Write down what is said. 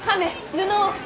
布を！